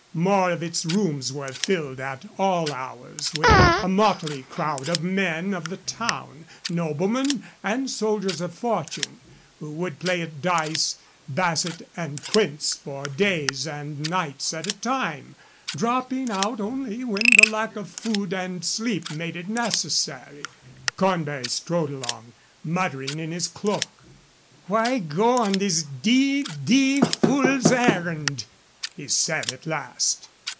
Most of its rooms were filled at all hours with a motley crowd of men of the town, noblemen, and soldiers of fortune, who would play at dice, basset, and quinze for days and nights at a time, dropping out only when the lack of food and sleep made it necessary. Cornbury strode along, muttering in his cloak. "Why go on this d d fool's errand?" he said, at last.